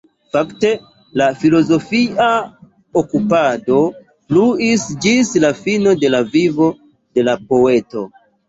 Fakte la filozofia okupado pluis ĝis la fino de la vivo de la poeto.